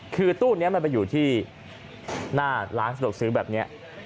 คือตู้นี้มันไปอยู่ที่หน้าร้านสะดวกซื้อแบบนี้